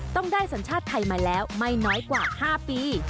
ต้องได้สัญชาติไทยมาแล้วไม่น้อยกว่า๕ปี